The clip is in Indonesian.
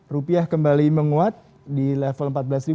rupiah kembali menguat di level empat belas dua ratus sembilan puluh dua